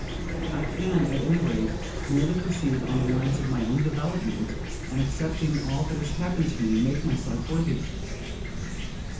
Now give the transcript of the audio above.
I can, at any rate, merely proceed on the lines of my own development, and, accepting all that has happened to me, make myself worthy of it.